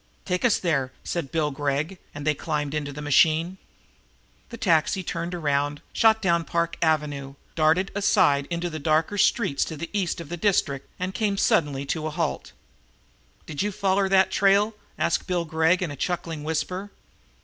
"Take us there," said Bill Gregg, and they climbed into the machine. The taxi turned around, shot down Park Avenue, darted aside into the darker streets to the east of the district and came suddenly to a halt. "Did you foller that trail?" asked Bill Gregg in a chuckling whisper.